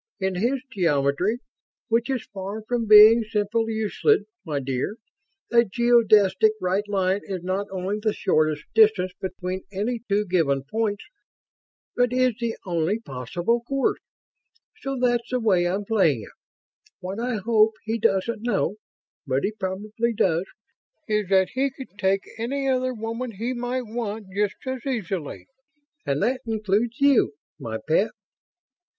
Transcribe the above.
In his geometry which is far from being simple Euclid, my dear a geodesic right line is not only the shortest distance between any two given points, but is the only possible course. So that's the way I'm playing it. What I hope he doesn't know ... but he probably does ... is that he could take any other woman he might want, just as easily. And that includes you, my pet."